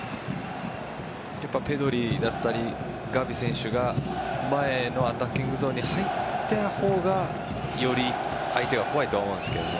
ペドリだったりガヴィ選手が前のアタッキングゾーンに入った方がより相手が怖いと思うんですけどね。